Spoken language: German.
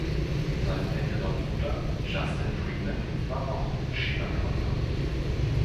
Sein älterer Bruder Justin Freeman war auch Skilangläufer.